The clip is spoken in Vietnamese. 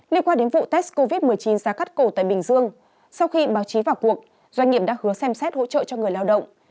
liên quan đến vụ test covid một mươi chín giá cắt cổ tại bình dương sau khi báo chí vào cuộc doanh nghiệp đã hứa xem xét hỗ trợ cho người lao động